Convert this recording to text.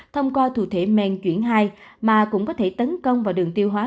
thông qua thủ thể men chuyển hai mà cũng có thể tấn công vào đường tiêu hóa